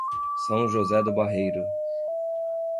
São José do Barreiro